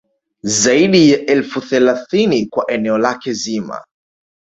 Zaidi ya elfu thelathini kwa eneo lake zima